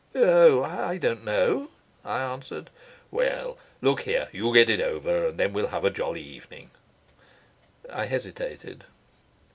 "Oh, I don't know," I answered. "Well, look here, you get it over, and then we'll have a jolly evening." I hesitated.